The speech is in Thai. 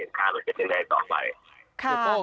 พวกมรูแล้วเสียงปืนค่ะตอนไป